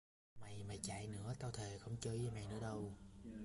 Mày mà chạy nữa tao thề không chơi với mày nữa đâu